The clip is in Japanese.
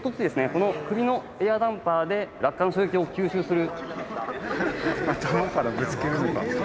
この首のエアダンパーで落下の衝撃を吸収する。